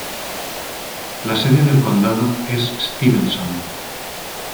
La sede del condado es Stevenson.